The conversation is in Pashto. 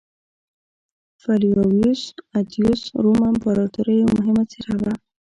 فلاویوس اتیوس روم امپراتورۍ یوه مهمه څېره وه